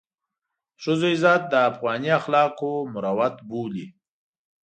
د ښځو عزت د افغاني اخلاقو مروت بولي.